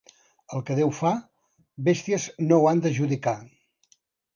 El que Déu fa, bèsties no ho han de judicar.